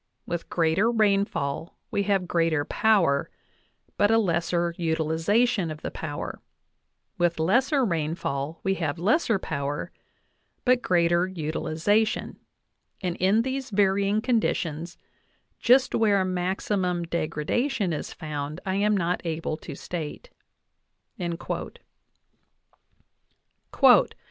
... With greater rainfall we have greater power, but a lesser utilization of the power; with lesser rain fall we have lesser power, but greater utilization ; and in these varying conditions, just where maximum degradation is found I am not able to state."